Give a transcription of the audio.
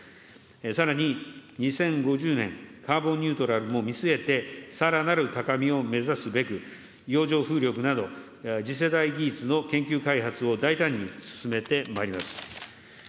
さらに２０５０年カーボンニュートラルも見据えて、さらなる高みを目指すべく、洋上風力など、次世代技術の研究開発を大胆に進めてまいります。